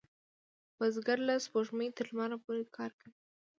بزګر له سپوږمۍ تر لمر پورې کار کوي